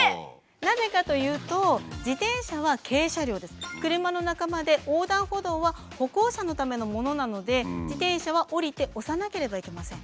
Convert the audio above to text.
なぜかというと横断歩道は歩行者のためのものなので自転車は降りて押さなければいけません。